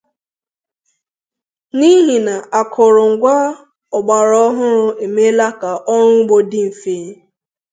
n'ihi na akụrụngwa ọgbaraọhụrụ emeela ka ọrụ ugbo dị mfe